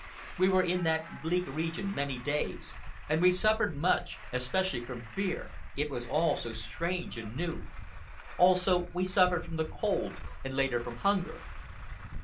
We were in that bleak region many days, and we suffered much, especially from fear, it was all so new and strange. Also, we suffered from the cold, and later from hunger.